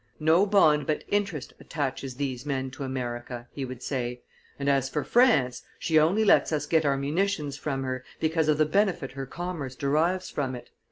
"No bond but interest attaches these men to America," he would say; "and, as for France, she only lets us get our munitions from her, because of the benefit her commerce derives from it."